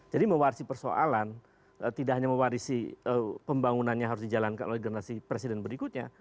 jadi mewarisi persoalan tidak hanya mewarisi pembangunannya harus dijalankan oleh generasi presiden berikutnya